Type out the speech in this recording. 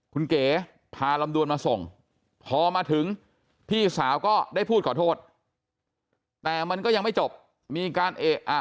คุณเก๋พาลำดวนมาส่งพอมาถึงพี่สาวก็ได้พูดขอโทษแต่มันก็ยังไม่จบมีการเอะอะ